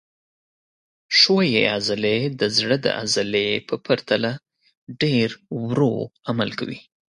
ښویې عضلې د زړه د عضلې په پرتله ډېر ورو عمل کوي.